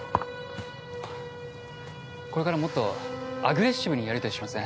これからもっとアグレッシブにやりとりしません？